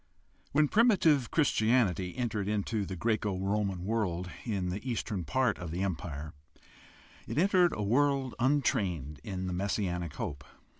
— When primitive Chris tianity entered into the Greco Roman world in the eastern part of the Empire, it entered a world untrained in the mes sianic hope.